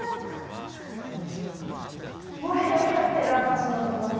盛り上がってる私のところだけ。